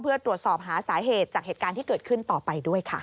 เพื่อตรวจสอบหาสาเหตุจากเหตุการณ์ที่เกิดขึ้นต่อไปด้วยค่ะ